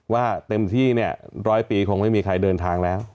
ว่าเต็มที่เนี่ย๑๐๐ปีคงไม่มีใครเดินทางแล้ว